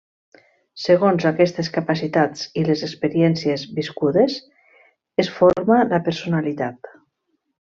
Segons aquestes capacitats i les experiències viscudes, es forma la personalitat.